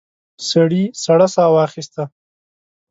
سړي سړه ساه واخيسته.